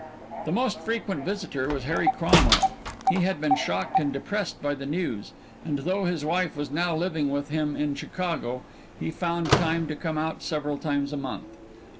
The most frequent visitor was Harry Cromwell. He had been shocked and depressed by the news, and though his wife was now living with him in Chicago he found time to come out several times a month.